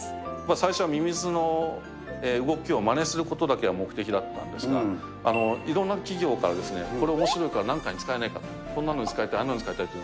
最初はミミズの動きをまねすることだけが目的だったんですが、いろんな企業からこれ、おもしろいからなんかに使えないか、こんなのに使いたい、あんなのに使いたいって。